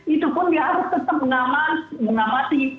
itu pun dia harus tetap mengamati